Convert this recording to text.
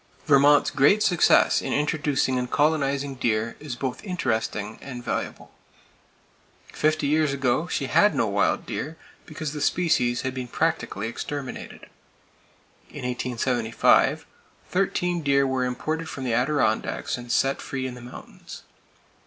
Vermont's great success in introducing and colonizing deer is both interesting and valuable. Fifty years ago, she had no wild deer, because the species had been practically exterminated. In 1875, thirteen deer were imported from the Adirondacks and set free in the mountains.